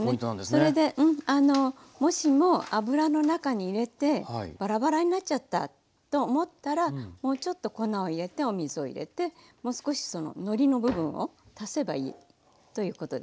それであのもしも油の中に入れてバラバラになっちゃったと思ったらもうちょっと粉を入れてお水を入れてもう少しのりの部分を足せばいいということですので。